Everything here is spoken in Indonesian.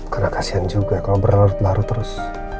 karena kasian juga kalau berlarut larut terus